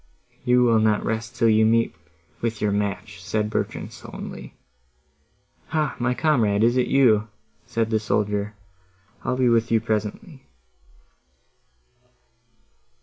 "You will not rest till you meet with your match," said Bertrand sullenly. "Hah! my comrade, is it you?" said the soldier—"I'll be with you directly."